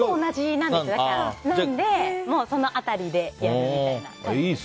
なのでその辺りでやるみたいな感じで。